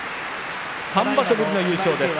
３場所ぶりの優勝です。